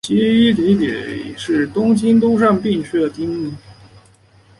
西荻北是东京都杉并区的町名。